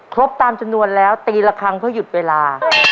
ครบตามจำนวนแล้วตีละครั้งเพื่อหยุดเวลา